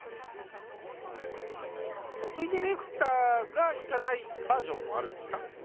徳井ディレクターが行かないバージョンもあるんですか？